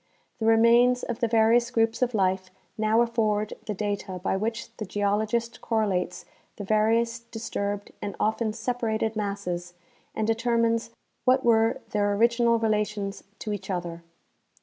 The re mains of the various groups of life now afford the data by which the geologist correlates the various disturbed and often separated masses and determines Avhat were their original relations to each other.